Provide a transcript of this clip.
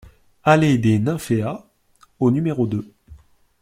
ALLEE DES NYMPHEAS au numéro deux